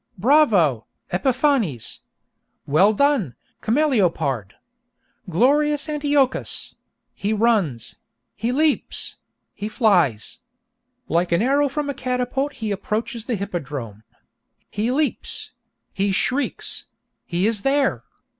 —Bravo, Epiphanes! Well done, Cameleopard!—Glorious Antiochus!—He runs!—he leaps!—he flies! Like an arrow from a catapult he approaches the hippodrome! He leaps!—he shrieks!—he is there!